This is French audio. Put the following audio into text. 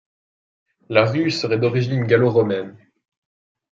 La rue serait d'origine gallo-romaine.